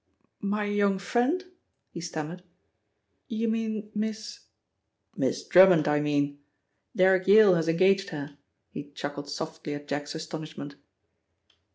"My young friend?" he stammered. "You mean Miss " "Miss Drummond, I mean. Derrick Yale has engaged her," he chuckled softly at Jack's astonishment.